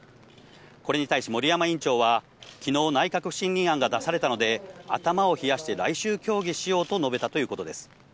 これに対し森山委員長は昨日、内閣不信任決議案が出されたので、頭を冷やして来週協議しようと述べたということです。